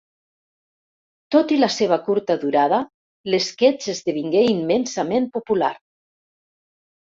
Tot i la seva curta durada, l'esquetx esdevingué immensament popular.